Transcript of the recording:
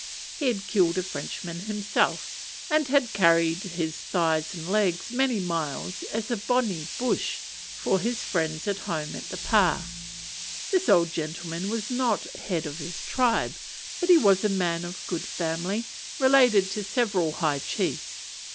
He had killed a Frenchman himself, and carried his thighs and legs many miles as a bonne bouche for his friends at home at the pa. This old gentleman was not head of his tribe; but he was a man of good family, related to several high chiefs.